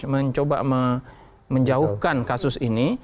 mencoba menjauhkan kasus ini